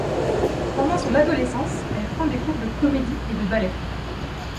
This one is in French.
Pendant son adolescence, elle prend des cours de comédie et de ballet.